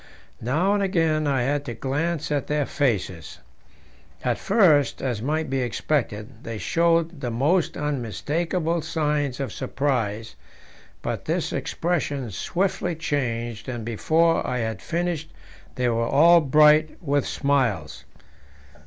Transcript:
Now and again I had to glance at their faces. At first, as might be expected, they showed the most unmistakable signs of surprise; but this expression swiftly changed, and before I had finished they were all bright with smiles.